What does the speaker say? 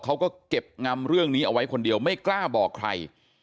เขาก็เก็บงำเรื่องนี้เอาไว้คนเดียวไม่กล้าบอกใคร